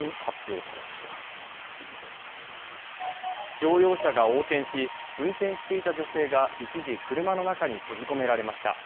乗用車が横転し、運転していた女性が一時、車の中に閉じ込められました。